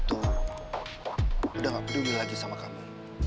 tuh udah gak peduli lagi sama kamu